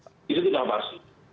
itu sudah pasti